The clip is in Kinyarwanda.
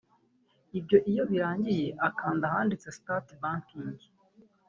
Ibyo iyo birangiye akanda ahanditse ‘Start Banking’